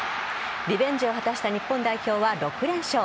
リベンジを果たした日本代表は６連勝。